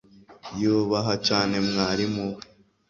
Yubaha cyane mwarimu we.